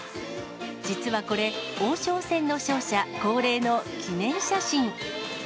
実はこれ、王将戦の勝者、恒例の記念写真。